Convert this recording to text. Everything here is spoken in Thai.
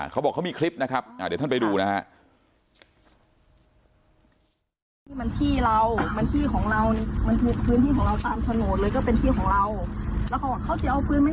เขาบอกเขามีคลิปนะครับเดี๋ยวท่านไปดูนะฮะ